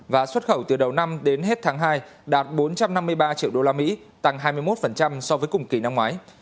và xuất khẩu từ đầu năm đến hết tháng hai đạt bốn trăm năm mươi ba triệu usd tăng hai mươi một so với cùng kỳ năm ngoái